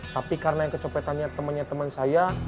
tapi karena yang kecopetannya temannya teman saya